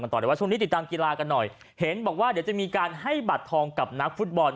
ติดตามกีฬากันหน่อยเห็นบอกว่าเดี๋ยวจะมีการให้บัตรทองกับนักฟุตบอล